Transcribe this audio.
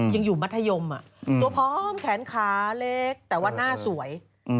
ยังอยู่มัธยมตัวพร้อมแขนขาเล็กแต่ว่าหน้าสวย